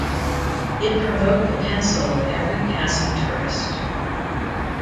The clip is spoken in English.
It provoked the pencil of every passing tourist.